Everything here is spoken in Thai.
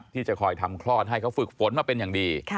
ที่จะคอยทำคลอดให้เขาฝึกฝนมาเป็นอย่างดี